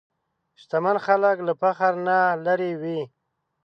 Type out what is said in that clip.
شتمن خلک له فخر نه لېرې وي.